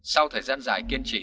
sau thời gian dài kiên trì